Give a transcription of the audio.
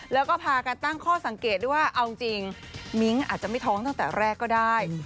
แล้วก็พากันตั้งข้อสังเกตด้วยว่าเอาจริงมิ้งอาจจะไม่ท้องตั้งแต่แรกก็ได้